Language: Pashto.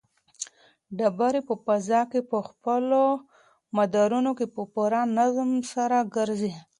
ډبرې په فضا کې په خپلو مدارونو کې په پوره نظم سره ګرځي.